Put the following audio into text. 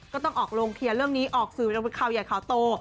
ก็ต้องออกลงเคลียร์เรื่องนี้ออกสื่อข่าวใหญ่ข่าวโต